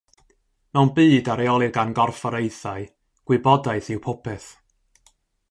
Mewn byd a reolir gan gorfforaethau, gwybodaeth yw popeth.